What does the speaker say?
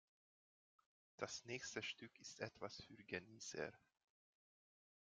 Das nächste Stück ist etwas für Genießer.